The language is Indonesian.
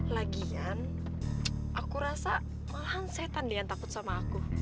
lagian aku rasa malahan setan dengan takut sama aku